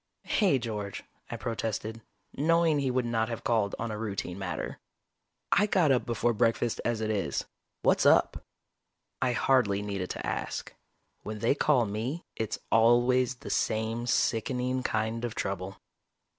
"Hey, George," I protested, knowing he would not have called on a routine matter. "I got up before breakfast as it is. What's up?" I hardly needed to ask. When they call me, it's always the same sickening kind of trouble.